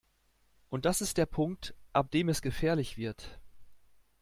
Und das ist der Punkt, ab dem es gefährlich wird.